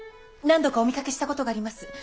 何度かお見かけしたことがあります。